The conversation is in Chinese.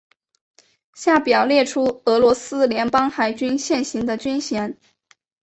下表列出俄罗斯联邦海军现行的军衔。